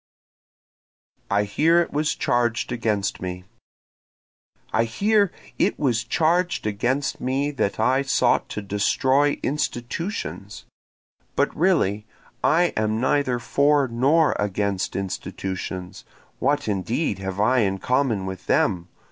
I Hear It Was Charged Against Me I hear it was charged against me that I sought to destroy institutions, But really I am neither for nor against institutions, (What indeed have I in common with them?